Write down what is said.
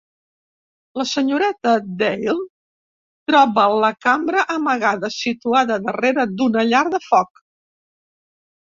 La senyoreta Dale troba la cambra amagada, situada darrera d'una llar de foc.